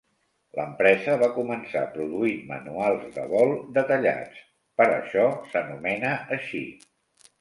L'empresa va començar produint manuals de vol detallats, per això s'anomena així.